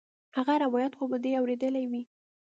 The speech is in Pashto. هغه روايت خو به دې اورېدلى وي.